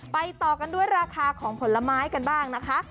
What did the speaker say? ต่อกันด้วยราคาของผลไม้กันบ้างนะคะ